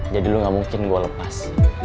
jadi lo gak mungkin gue lepas